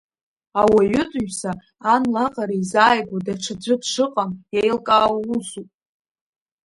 Ауаҩытәыҩса ан лаҟара изааигәоу даҽаӡәы дшыҟам еилкаау усуп.